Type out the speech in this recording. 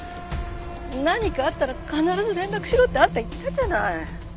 何かあったら必ず連絡しろってあんた言ったじゃない！